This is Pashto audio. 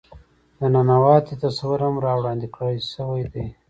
د ننواتې تصور هم را وړاندې کړے شوے دے.